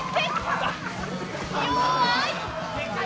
弱い。